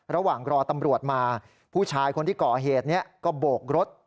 ระหว่างรอตำรวจมาผู้ชายคนที่ก่อเหตุนี้ก็โบกรถ